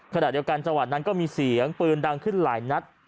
ขณะเดียวกันจังหวัดนั้นก็มีเสียงปืนดังขึ้นหลายนัด